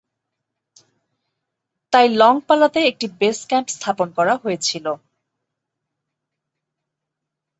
তাই লং পালাতে একটি বেস ক্যাম্প স্থাপন করা হয়েছিল।